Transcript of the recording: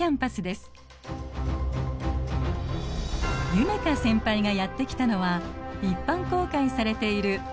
夢叶先輩がやって来たのは一般公開されている展示フロア。